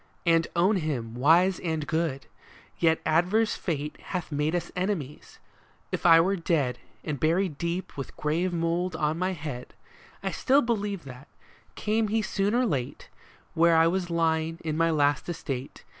And own him wise and good. Yet adverse fate Hath made us enemies. If I were dead. And buried deep with grave mould on my head, I still believe that, came he soon or late Where I was lying in my last estate.